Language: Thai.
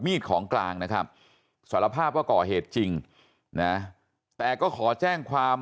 ของกลางนะครับสารภาพว่าก่อเหตุจริงนะแต่ก็ขอแจ้งความ